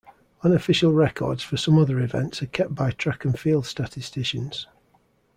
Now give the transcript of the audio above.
Unofficial records for some other events are kept by track and field statisticians.